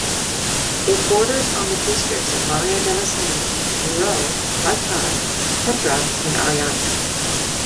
It borders on the districts of Maria de la Salut, Muro, Artà, Petra and Ariany.